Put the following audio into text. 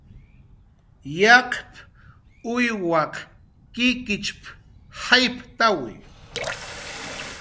"Yaqp"" uywaq kikichp"" jayptawi"